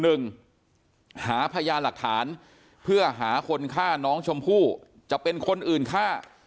หาพยานหลักฐานเพื่อหาคนฆ่าน้องชมพู่จะเป็นคนอื่นฆ่า